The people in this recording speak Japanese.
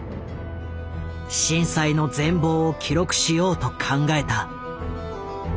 震災の全貌を記録しようと考えた。